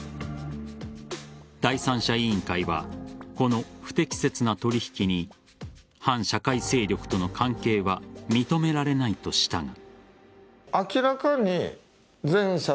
第三者委員会はこの不適切な取引に反社会勢力との関係は認められないとしたが。